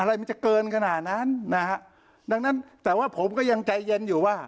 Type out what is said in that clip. อะไรมันจะเกินขนาดนั้นนะฮะดังนั้นแต่ว่าผมก็ยังใจเย็นอยู่ว่า